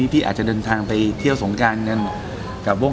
พี่พี่อาจจะเดินทางไปเที่ยวสงการกัน